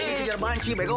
kejar banci bego